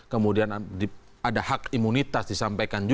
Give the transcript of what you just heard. kemudian ada hak imunitas disampaikan juga